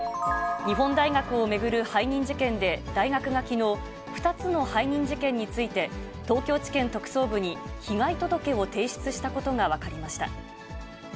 日本大学を巡る背任事件で、大学がきのう、２つの背任事件について、東京地検特捜部に被害届を提出したことが分かりました。